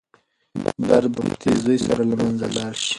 درد به په تېزۍ سره له منځه لاړ شي.